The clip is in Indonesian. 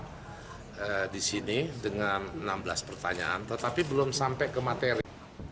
saya disini dengan enam belas pertanyaan tetapi belum sampai ke materi